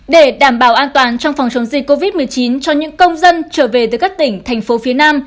để đảm bảo an toàn trong phòng chống dịch covid một mươi chín cho những công dân trở về từ các tỉnh thành phố phía nam